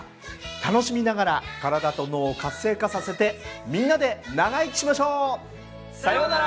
楽しみながら体と脳を活性化させてみんなで長生きしましょう！さよなら！